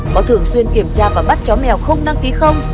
có thường xuyên kiểm tra và bắt chó mèo không đăng ký không